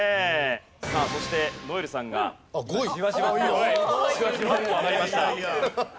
さあそして如恵留さんがじわじわっとじわじわっと上がりました。